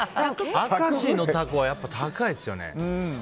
明石のタコはやっぱ高いですよね。